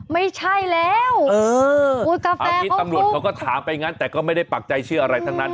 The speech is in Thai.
ไม่ใช่แล้วอันนี้ตำรวจเขาก็ถามไปงั้นแต่ก็ไม่ได้ปักใจเชื่ออะไรทั้งนั้น